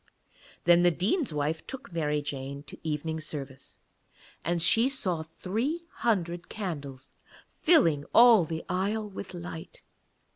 Then the Dean's wife took Mary Jane to evening service, and she saw three hundred candles filling all the aisle with light.